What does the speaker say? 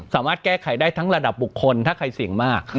สามารถแก้ไขได้ทั้งระดับบุคคลถ้าใครเสี่ยงมาก